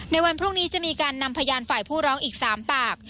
ในวันพรุ่งนี้จะมีการนำพยานฝ่ายผู้ร้องอีก๓ปาก